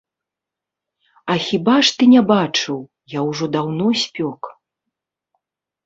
А хіба ж ты не бачыў, я ўжо даўно спёк.